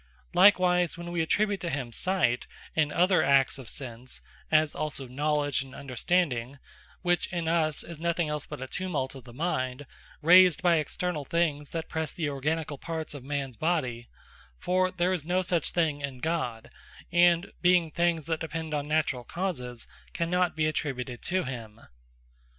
Likewise when we attribute to him Sight, and other acts of Sense; as also Knowledge, and Understanding; which in us is nothing else, but a tumult of the mind, raised by externall things that presse the organicall parts of mans body: For there is no such thing in God; and being things that depend on naturall causes, cannot be attributed to him.